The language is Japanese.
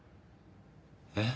えっ？